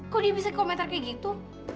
kok dia bisa komentar seperti itu